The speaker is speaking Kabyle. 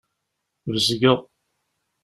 Bezgeɣ.